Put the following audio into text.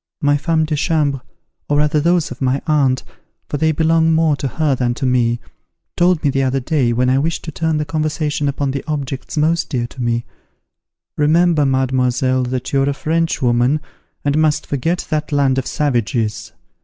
My femmes de chambre, or rather those of my aunt, for they belong more to her than to me, told me the other day, when I wished to turn the conversation upon the objects most dear to me: 'Remember, mademoiselle, that you are a French woman, and must forget that land of savages.'